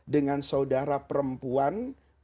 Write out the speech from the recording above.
dengan saudara perempuan